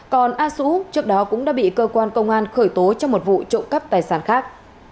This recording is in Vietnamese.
còn a sú trước đó cũng đã bị cơ quan công an khởi tố trong một vụ trộm cắp tài sản khác